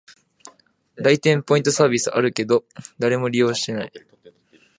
来店ポイントサービスあるけど、誰も利用してない